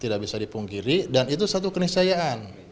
tidak bisa dipungkiri dan itu satu keniscayaan